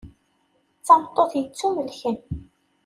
D tameṭṭut yettumelken.